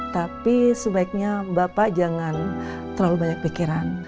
tapi sebaiknya bapak jangan terlalu banyak pikiran